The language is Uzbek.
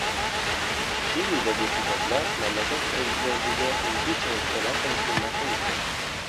Chilida deputatlar mamlakat prezidentiga impichment e’lon qilishni ma’qulladi